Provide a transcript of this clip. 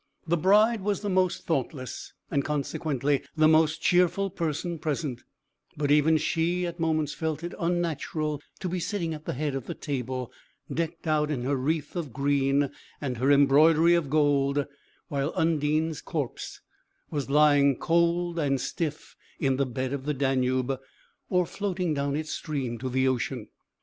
The bride was the most thoughtless, and consequently the most cheerful person present; but even she, at moments, felt it unnatural to be sitting at the head of the table, decked out in her wreath of green and her embroidery of gold, while Undine's corpse was lying cold and stiff in the bed of the Danube, or floating down its stream to the ocean.